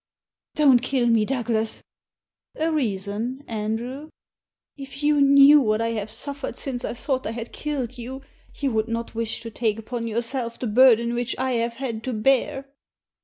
" Don't kill me, Douglas." A reason, Andrew ?"" If you knew what I have suffered since I thought I had killed you, you would not wish to take upon yourself the burden which I have had to bear."